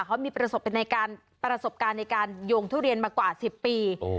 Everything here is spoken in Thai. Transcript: เขามีประสบการณ์ประสบการณ์ในการโยงทุเรียนมากว่าสิบปีโอ้